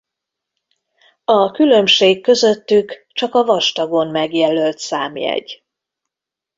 A különbség közöttük csak a vastagon megjelölt számjegy.